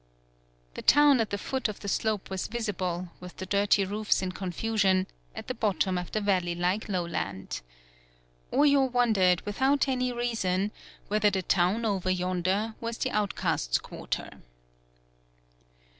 The town at the foot of the slope was visible, with the dirty roofs 89 PAULOWNIA in confusion, at the bottom of the val ley like lowland. Oyo wondered with out any reason whether the town over yonder was the outcasts' quarter.